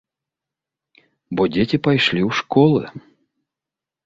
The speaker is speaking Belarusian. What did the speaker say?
Бо дзеці пайшлі ў школы.